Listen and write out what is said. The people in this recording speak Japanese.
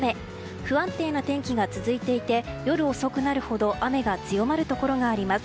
不安定な天気が続いていて夜遅くなるほど雨が強まるところがあります。